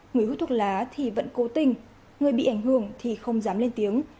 người hút thuốc lá thì vẫn cố tình người bị ảnh hưởng thì không dám lên tiếng